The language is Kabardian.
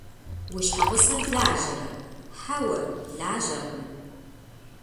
Уи щхьэгъусэр лажьэрэ? – Хьэуэ, лажьэркъым.